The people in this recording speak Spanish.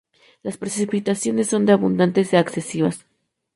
Las precipitaciones son de abundantes a excesivas.